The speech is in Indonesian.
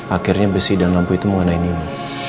akhirnya besi dan lampu itu mengenai nino